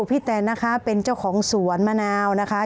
แตนนะคะเป็นเจ้าของสวนมะนาวนะคะ